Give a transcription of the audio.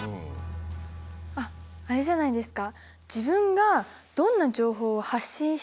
あっあれじゃないですか？